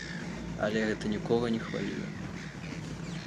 Але гэта нікога не хвалюе.